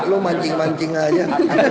lu mancing mancing aja